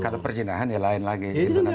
kalau perjinahan ya lain lagi